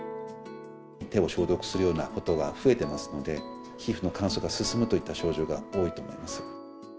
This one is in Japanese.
手を消毒するようなことが増えてますので、皮膚の乾燥が進むといった症状が多いと思います。